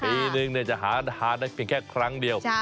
ปีนึงจะหาทานได้เพียงแค่ครั้งเดียว